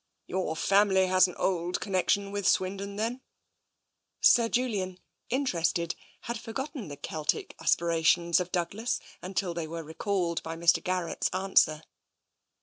" Your family has an old connection with Swindon, then ?" Sir Julian, interested, had forgotten the Keltic as pirations of Douglas until they were recalled by Mr. Garrett's answer.